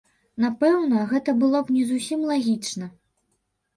Напэўна, гэта было б не зусім лагічна.